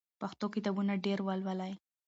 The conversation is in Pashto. پښتو کتابونه ډېر ولولئ.